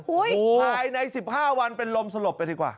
ภายใน๑๕วันเป็นลมสลบไปดีกว่า